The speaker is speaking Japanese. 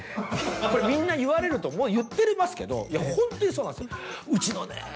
これみんな言われると思う言ってますけどホントにそうなんですよ。